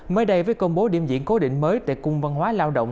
mới đây với công bố điểm diễn cố định mới tại cung văn hóa lao động